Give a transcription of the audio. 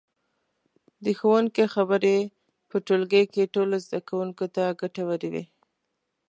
د ښوونکي خبرې په ټولګي کې ټولو زده کوونکو ته ګټورې وي.